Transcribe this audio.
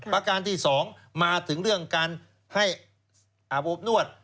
ประการที่๒มาถึงเรื่องการให้อาบอบนวด